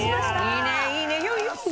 いいねいいね。